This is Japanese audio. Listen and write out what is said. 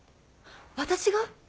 私が？